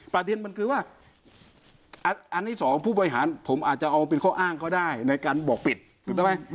ประเด็นมันคือว่าอันที่สองผู้บริหารผมอาจจะเอาเป็นข้ออ้างเขาได้ในการบอกปิดถูกต้องไหม